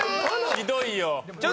ひどいよ！